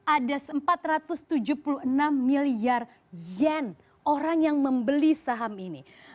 ada empat ratus tujuh puluh enam miliar yen orang yang membeli saham ini